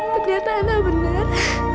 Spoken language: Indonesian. ternyata enggak benar